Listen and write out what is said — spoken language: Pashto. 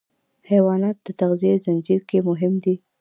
حیوانات د تغذیې زنجیر کې مهم دي.